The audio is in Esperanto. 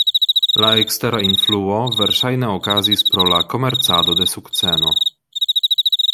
La ekstera influo verŝajne okazis pro la komercado de sukceno.